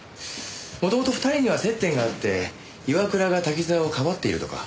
もともと２人には接点があって岩倉が滝沢をかばっているとか。